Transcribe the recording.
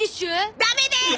ダメです！